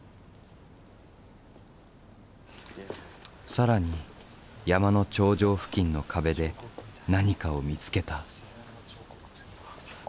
更に山の頂上付近の壁で何かを見つけた。